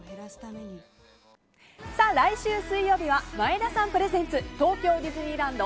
来週水曜日は前田さんプレゼンツ東京ディズニーランド